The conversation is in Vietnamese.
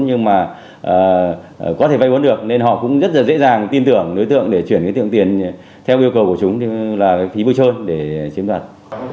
nhưng mà có thể vay vốn được nên họ cũng rất dễ dàng tin tưởng đối tượng để chuyển tiền theo yêu cầu của chúng là phí bưu trơn để chiếm đoạt